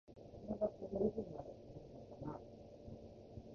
この学校、ゴルフ部まであるのかあ